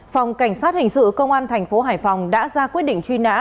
phòng cảnh sát hình sự công an thành phố hải phòng đã ra quyết định truy nã